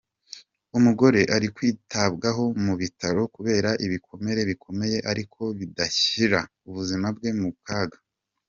Umugore ari kwitabwaho mu bitaro kubera ibikomere bikomeye ariko bidashyira ubuzima bwe mu kaga.